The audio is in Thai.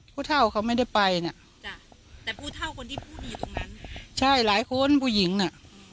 ผู้เท่าเขาไม่ได้ไปน่ะจ้ะแต่ผู้เท่าคนที่พูดอยู่ตรงนั้นใช่หลายคนผู้หญิงน่ะ